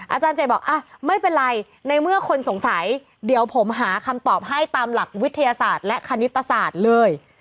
อาจารย์เจตบอกไม่เป็นไรในเมื่อคนสงสัยเดี๋ยวผมหาคำตอบให้ตามหลักวิทยาศาสตร์และคณิตศาสตร์เลย